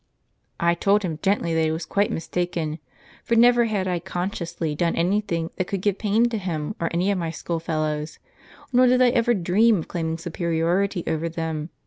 "I told him gently that he was quite mistaken; for never had I consciously done anything that could give pain to him or any of my school fellows ; nor did I ever dream of claiming superiority over them.